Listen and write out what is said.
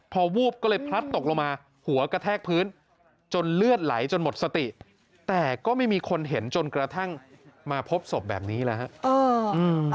พอวูบก็เลยพลัดตกลงมาหัวกระแทกพื้นจนเลือดไหลจนหมดสติแต่ก็ไม่มีคนเห็นจนกระทั่งมาพบศพแบบนี้แหละฮะ